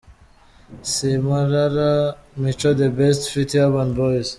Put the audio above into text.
Simparara –Mico the Best ft Urban boys.